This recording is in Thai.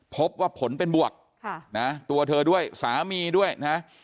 พบว่าผลเป็นบวกตัวเธอด้วยสามีด้วยนะ